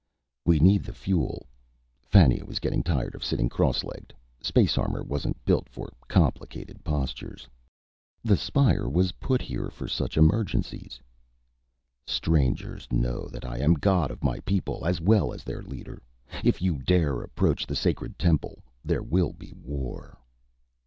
"We need the fuel." Fannia was getting tired of sitting cross legged. Space armor wasn't built for complicated postures. "The spire was put here for such emergencies." "Strangers, know that I am god of my people, as well as their leader. If you dare approach the sacred temple, there will be war."